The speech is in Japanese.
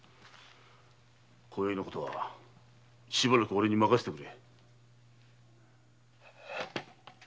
今宵のことはしばらく俺に任せてくれ。